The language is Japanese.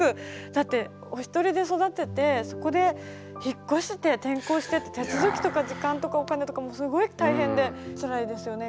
だってお一人で育ててそこで引っ越して転校してって手続きとか時間とかお金とかもうすごい大変でつらいですよね